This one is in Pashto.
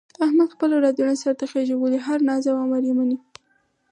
احمد خپل اولادونه سرته خېژولي، هر ناز او امر یې مني.